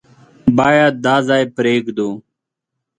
بايد دا ځای پرېږدو.